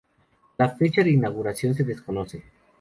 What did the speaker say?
La fecha de inauguración se desconoce.